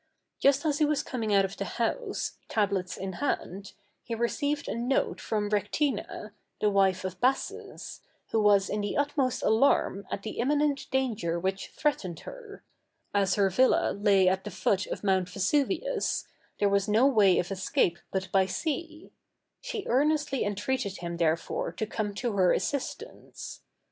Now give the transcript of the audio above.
Just as he was coming out of the house, tablets in hand, he received a note from Rectina, the wife of Bassus, who was in the utmost alarm at the imminent danger which threatened her; as her villa lay at the foot of Mount Vesuvius, there was no way of escape but by sea; she earnestly entreated him therefore to come to her assistance.